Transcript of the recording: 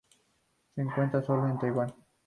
Se encuentra sólo en Taiwán.